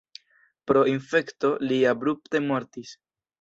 Pro infekto li abrupte mortis.